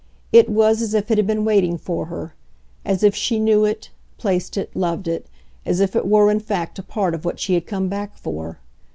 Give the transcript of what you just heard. It was as if it had been waiting for her, as if she knew it, placed it, loved it, as if it were in fact a part of what she had come back for.